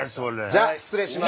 じゃ失礼します。